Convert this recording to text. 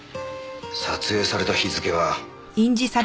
撮影された日付は。